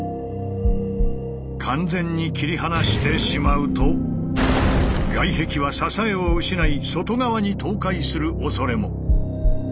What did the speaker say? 完全に切り離してしまうと外壁は支えを失い外側に倒壊するおそれも。